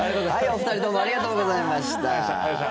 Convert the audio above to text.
お二人どうもありがとうございました。